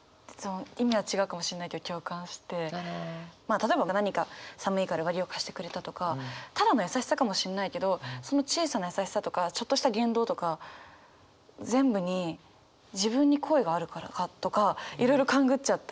例えば何か寒いから上着を貸してくれたとかただの優しさかもしれないけどその小さな優しさとかちょっとした言動とか全部に自分に好意があるからかとかいろいろ勘ぐっちゃったり。